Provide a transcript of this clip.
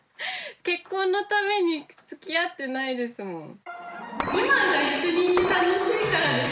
結婚のために付き合ってないですもん。